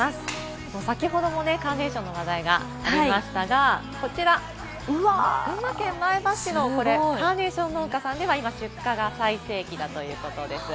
先程もカーネーションの話題がありましたが、こちら、群馬県前橋市のカーネーション農家さんでは、今出荷が最盛期だということです。